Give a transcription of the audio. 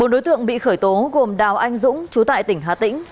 bốn đối tượng bị khởi tố gồm đào anh dũng chú tại tỉnh hà tĩnh